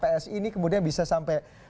psi ini kemudian bisa sampai